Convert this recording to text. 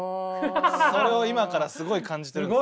それを今からすごい感じてるんですよ。